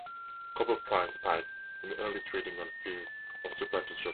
Copper prices spiked in early trading, on fears of supply disruption.